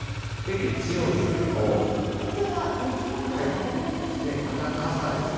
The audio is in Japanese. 月曜日、東京は雪マークじゃなくなりましたね。